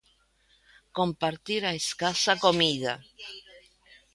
Compartir a escasa comida.